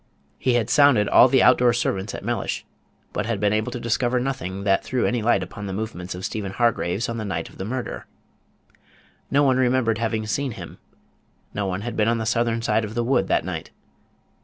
He had sounded all the out door servants at Mellish, but had been able to discover nothing that threw any light upon the movements of Stephen Hargraves on the night of the murder. No one remembered having seen him: no one had been on the southern side of the wood that night.